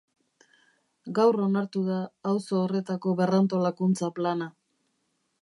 Gaur onartu da auzo horretako berrantolakuntza plana.